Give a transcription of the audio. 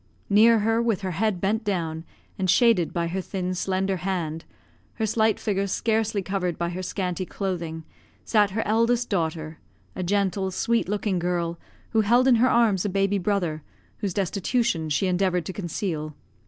Near her, with her head bent down, and shaded by her thin, slender hand, her slight figure scarcely covered by her scanty clothing, sat her eldest daughter, a gentle, sweet looking girl, who held in her arms a baby brother, whose destitution she endeavoured to conceal.